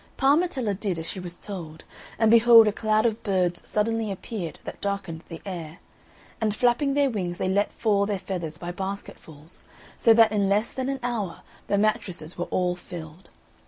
Parmetella did as she was told, and behold a cloud of birds suddenly appeared that darkened the air; and flapping their wings they let fall their feathers by basketfuls, so that in less than an hour the mattresses were all filled.